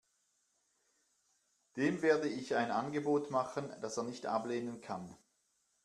Dem werde ich ein Angebot machen, das er nicht ablehnen kann.